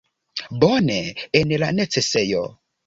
Bone, en la necesejo.